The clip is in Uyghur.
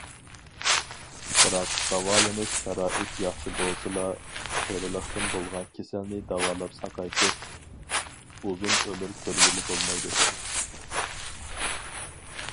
بىراق، داۋالىنىش شارائىت ياخشى بولسىلا، قېرىلىقتىن بولغان كېسەلنى داۋالاپ ساقايتىپ، ئۇزۇن ئۆمۈر كۆرگىلى بولمايدۇ.